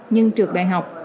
nhưng trượt đại học